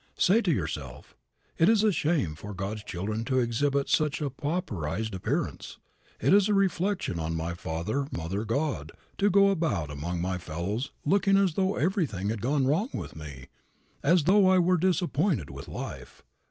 Say to yourself, "It is a shame for God's children to exhibit such a pauperized appearance. It is a reflection on my Father Mother God to go about among my fellows looking as though everything had gone wrong with me, as though I were disappointed with life.